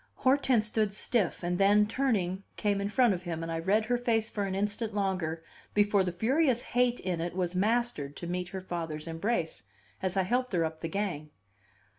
Hortense stood stiff, and then, turning, came in front of him, and I read her face for an instant longer before the furious hate in it was mastered to meet her father's embrace, as I helped her up the gang.